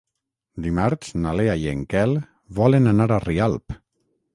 Dimarts na Lea i en Quel volen anar a Rialp.